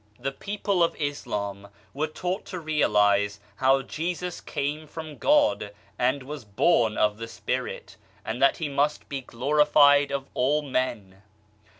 The people of Islam were taught to realize how Jesus came from God and was born of the Spirit, and that He must be glorified of all men